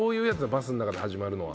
バスの中で始まるのは。